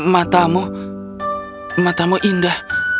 matamu matamu indah